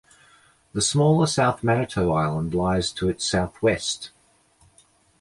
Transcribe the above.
The smaller South Manitou Island lies to its southwest.